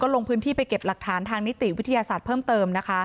จะไปเก็บรักฐานทางนิติวิทยาศาสตร์เพิ่มเติม